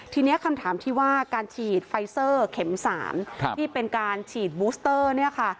ทีนี้คำถามที่ว่าการฉีดไฟเซอร์เข็ม๓ที่เป็นการฉีดบูสเตอร์เนี่ยค่ะ